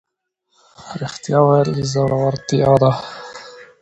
ریښتیا ویل زړورتیا ده